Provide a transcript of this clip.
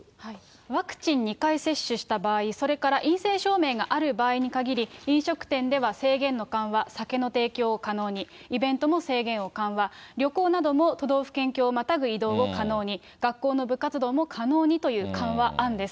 ワクチン２回接種した場合、それから陰性証明がある場合にかぎり、飲食店では制限の緩和、酒の提供を可能に、イベントも制限を緩和、旅行なども都道府県境をまたぐ移動を可能に、学校の部活動も可能にという緩和案です。